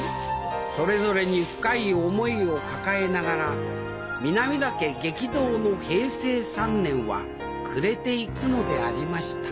それぞれに深い思いを抱えながら南田家激動の平成３年は暮れていくのでありました